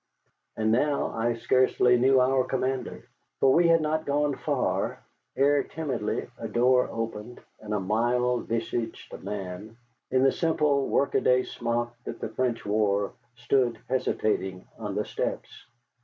And now I scarcely knew our commander. For we had not gone far ere, timidly, a door opened and a mild visaged man, in the simple workaday smock that the French wore, stood, hesitating, on the steps.